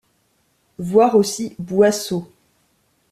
Voir aussi boisseau.